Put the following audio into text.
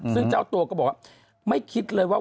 ซึ่งเจ้าตัวก็บอกว่าไม่คิดเลยว่า